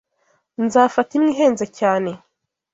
Nzafata imwe ihenze cyane.